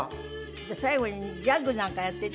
じゃあ最後にギャグなんかやって頂いて。